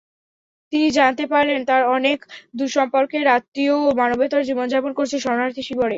তিনি জানতে পারলেন তাঁর অনেক দূরসম্পর্কের আত্মীয়ও মানবেতর জীবন যাপন করছে শরণার্থীশিবিরে।